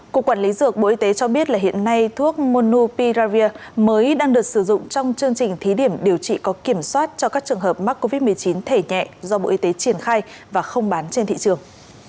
cục quản lý dược bộ y tế cho biết là hiện nay thuốc monu piravir mới đang được sử dụng trong chương trình thí điểm điều trị có kiểm soát cho các trường hợp mắc covid một mươi chín thẻ nhẹ do bộ y tế triển khai và không bán trên thị trường